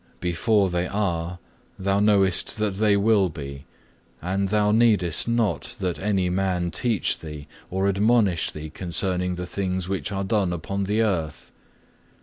Before they are, thou knowest that they will be, and Thou needest not that any man teach Thee or admonish Thee concerning the things which are done upon the earth.